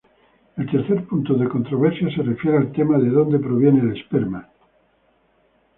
El tercer punto de controversia se refiere al tema de donde proviene el esperma.